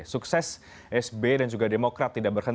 sukses sby dan juga demokrat tidak terlalu lama